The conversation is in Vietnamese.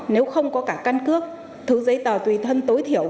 nếu không có cả căn cước thứ giấy tờ tùy thân tối thiểu